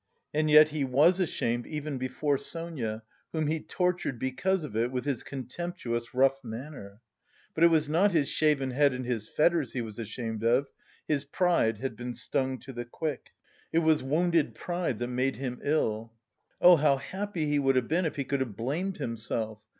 And yet he was ashamed even before Sonia, whom he tortured because of it with his contemptuous rough manner. But it was not his shaven head and his fetters he was ashamed of: his pride had been stung to the quick. It was wounded pride that made him ill. Oh, how happy he would have been if he could have blamed himself!